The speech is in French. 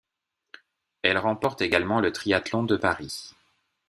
Elle remporte également le triathlon de Paris.